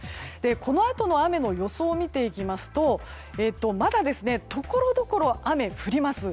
このあとの雨の予想を見ていきますとまだ、ところどころで雨が降ります。